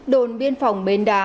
đồn biên phòng bến đá